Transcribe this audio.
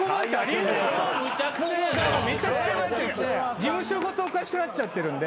事務所ごとおかしくなっちゃってるんで。